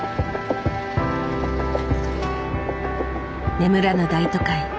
眠らぬ大都会。